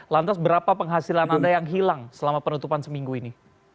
lantas berapa penghasilan anda yang hilang selama penutupan seminggu ini